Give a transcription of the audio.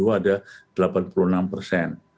ada delapan puluh enam persen